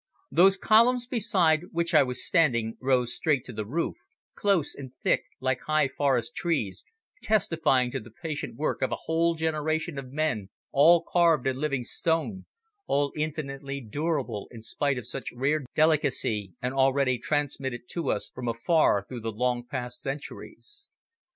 Those columns beside which I was standing rose straight to the roof, close and thick like high forest trees, testifying to the patient work of a whole generation of men all carved in living stone, all infinitely durable in spite of such rare delicacy and already transmitted to us from afar through the long past centuries.